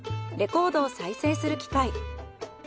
レコードを再生する機械。